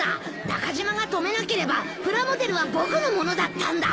中島が止めなければプラモデルは僕の物だったんだ！